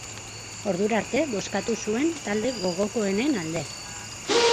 Ordura arte, bozkatu zuen talde gogokoenen alde.